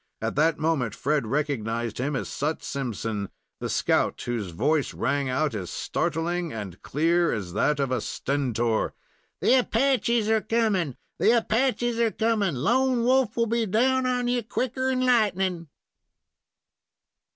At that moment Fred recognized him as Sut Simpson, the scout, whose voice rang out as startling and clear as that of a stentor. "The Apaches are coming! The Apaches are coming! Lone Wolf will be down on yer quicker'n lightnin'!"